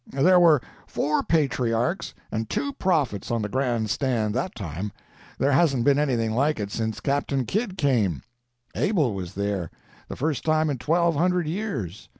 There were four patriarchs and two prophets on the Grand Stand that time—there hasn't been anything like it since Captain Kidd came; Abel was there—the first time in twelve hundred years.